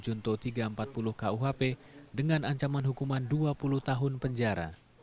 dengan pasal tiga ratus tiga puluh delapan junto tiga ratus empat puluh kuhp dengan ancaman hukuman dua puluh tahun penjara